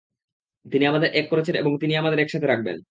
তিনি আমাদের এক করেছেন, এবং তিনিই আমাদের একসাথে রাখবেন।